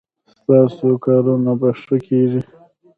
ستاسو کارونه به ښه کیږي